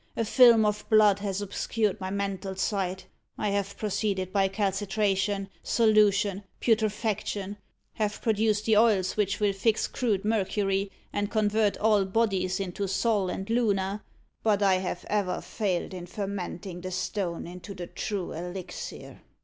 A film of blood has obscured my mental sight. I have proceeded by calcitration, solution, putrefaction have produced the oils which will fix crude mercury, and convert all bodies into sol and luna; but I have ever failed in fermenting the stone into the true elixir.